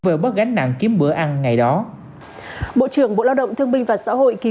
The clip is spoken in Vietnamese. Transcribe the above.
vợ bớt gánh nặng kiếm bữa ăn ngày đó bộ trưởng bộ lao động thương minh và xã hội